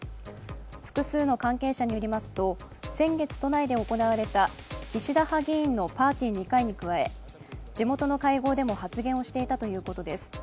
複数の関係者によりますと先月都内で行われた岸田派議員のパーティー２回に加え地元の会合でも発言をしていたということです。